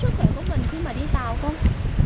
sức khỏe của mình khi mà đi tàu không